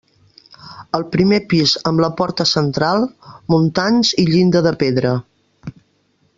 El primer pis amb la porta central, muntants i llinda de pedra.